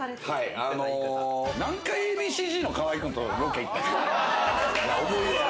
何回、Ａ．Ｂ．Ｃ−Ｚの河合くんとロケ行ったか。